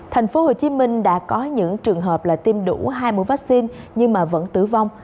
thành phố hồ chí minh đã có những trường hợp là tiêm đủ hai mũi vaccine nhưng mà vẫn tử vong